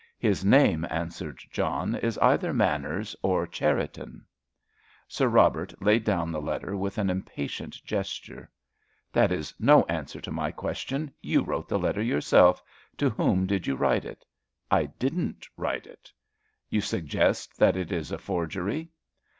"His name," answered John, "is either Manners, or Cherriton." Sir Robert laid down the letter with an impatient gesture. "That is no answer to my question. You wrote the letter yourself. To whom did you write it?" "I didn't write it!" "You suggest that it is a forgery?"